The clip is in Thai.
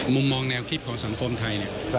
มุมมองแนวคิดของสังคมไทยเนี่ย